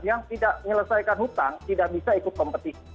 yang tidak menyelesaikan hutang tidak bisa ikut kompetisi